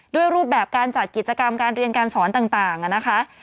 รูปแบบการจัดกิจกรรมการเรียนการสอนต่างนะคะ